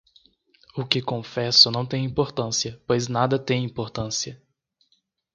O que confesso não tem importância, pois nada tem importância.